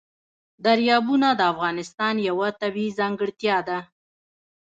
دریابونه د افغانستان یوه طبیعي ځانګړتیا ده.